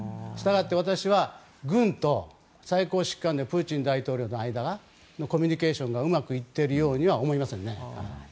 したがって、私は軍と最高指揮官のプーチン大統領の間がコミュニケーションがうまくいっているようには思えませんね。